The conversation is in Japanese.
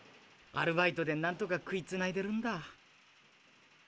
アルバイトでなんとか食いつないでるんだ。